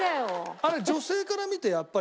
あれ女性から見てやっぱり。